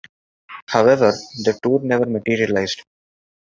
However, the tour never materialised.